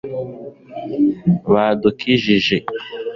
badukijije